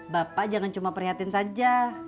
bapak jangan cuma prihatin saja